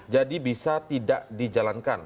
jadi bisa tidak dijalankan